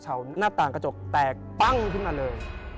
หน้าต่างกระจกแตกปั้งขึ้นมาเลย